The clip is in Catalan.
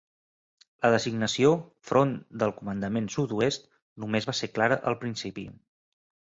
La designació "front del comandament sud-oest" només va ser clara al principi.